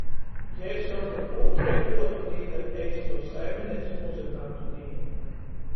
Jei soka — ūtrei kuozu dīna ir eistuo saimineicu i muzykantu dīna.